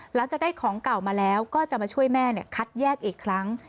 หลังจากได้ของเก่ามาแล้วก็จะมาช่วยแม่คัดแยกอีกครั้ง